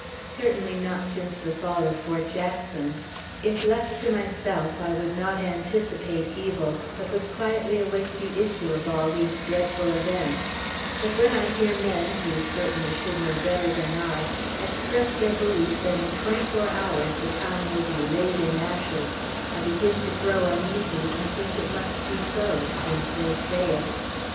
Certainly not since the fall of Fort Jackson. If left to myself, I would not anticipate evil, but would quietly await the issue of all these dreadful events; but when I hear men, who certainly should know better than I, express their belief that in twenty four hours the town will be laid in ashes, I begin to grow uneasy, and think it must be so, since they say it.